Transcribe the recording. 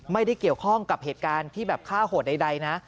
ไม่ได้เกี่ยวข้องกับเหตุการณ์ที่แบบฆ่าโหดใดนะ